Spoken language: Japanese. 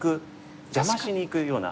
邪魔しにいくような。